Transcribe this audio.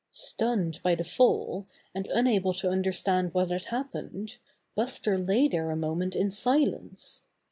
Stunned by the fall, and unable to under stand what had happened, Buster lay there a moment in silence.